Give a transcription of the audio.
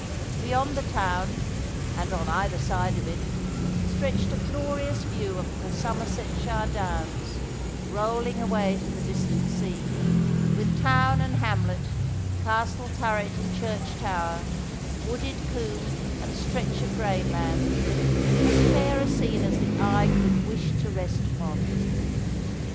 Beyond the town, and on either side of it, stretched a glorious view of the Somersetshire downs, rolling away to the distant sea, with town and hamlet, castle turret and church tower, wooded coombe and stretch of grain land as fair a scene as the eye could wish to rest upon.